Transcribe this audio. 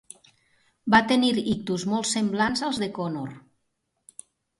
Va tenir ictus molt semblants als de Connor.